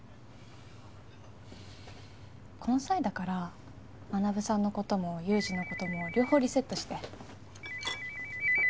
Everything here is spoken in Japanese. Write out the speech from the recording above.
この際だから学さんのこともユウジのことも両方リセットして。